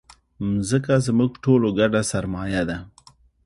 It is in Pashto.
مځکه زموږ ټولو ګډه سرمایه ده.